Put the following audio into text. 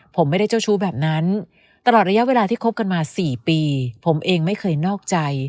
ผมไม่ได้เจ้าชู้แบบนั้นตลอดระยะเวลาที่คบกันมา๔ปีผมเองไม่เคยนอกใจ